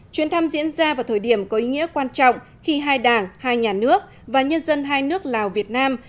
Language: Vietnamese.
chuyến thăm diễn ra vào thời điểm có ý nghĩa quan trọng khi hai đảng hai nhà nước và nhân dân hai nước lào việt nam